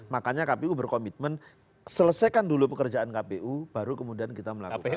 makanya kpu berkomitmen selesaikan dulu pekerjaan kpu baru kemudian kita melakukan